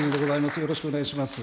よろしくお願いします。